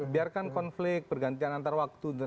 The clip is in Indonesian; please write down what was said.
biarkan konflik pergantian antar waktu